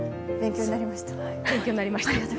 勉強になりました。